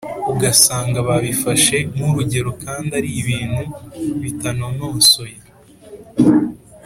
ugasanga babifashe nk’urugero kandi ari ibintu bitanononsoye.